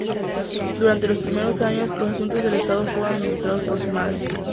Durante los primeros años, los asuntos del estado fueron administrados por su madre.